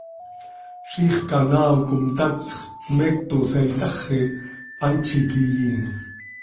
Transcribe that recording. Ziix canaao com tacsx, tmeetosa itaxi, hant z iiqui yiin.